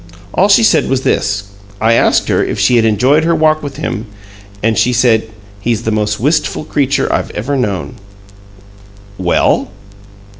All she said was this: I asked her if she had enjoyed her walk with him, and she said, 'He's the most wistful creature I've ever known.'" "Well?"